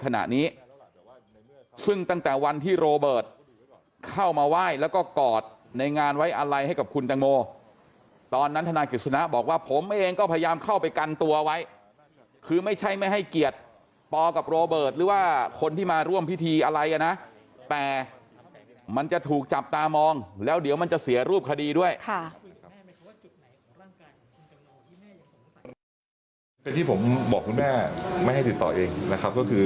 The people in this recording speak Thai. ขณะนี้ซึ่งตั้งแต่วันที่โรเบิร์ตเข้ามาไหว้แล้วก็กอดในงานไว้อะไรให้กับคุณตังโมตอนนั้นธนายกฤษณะบอกว่าผมเองก็พยายามเข้าไปกันตัวไว้คือไม่ใช่ไม่ให้เกียรติปอกับโรเบิร์ตหรือว่าคนที่มาร่วมพิธีอะไรกันนะแต่มันจะถูกจับตามองแล้วเดี๋ยวมันจะเสียรูปคดีด้วยค่ะก็คือ